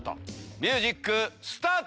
ミュージックスタート！